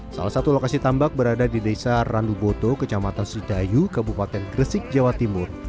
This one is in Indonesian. salah satu lokasi tambak berada di desa randuboto kecamatan sidayu kabupaten gresik jawa timur